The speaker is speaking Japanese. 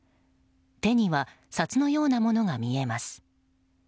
手には札のようなものが見えます。